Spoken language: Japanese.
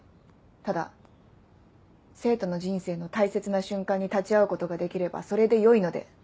ただ生徒の人生の大切な瞬間に立ち会うことができればそれでよいので。